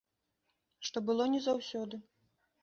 Што было не заўсёды.